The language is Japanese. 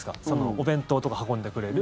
お弁当とか運んでくれる。